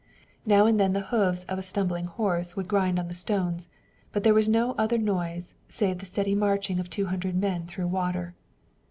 Now and then the hoofs of a stumbling horse would grind on the stones, but there was no other noise save the steady marching of two hundred men through water.